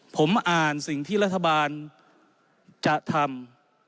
ผมอ่านสิ่งที่รัฐบาลจะทำ